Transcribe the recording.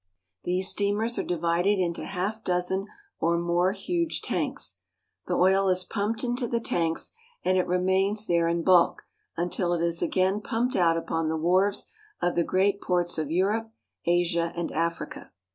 These steamers are divided into a half dozen or more huge tanks. The oil is pumped into the tanks, and it remains there in bulk until it is again pumped out upon the wharves of the great ports of Europe, Asia, and Africa.